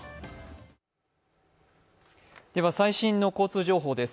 最新の交通情報です。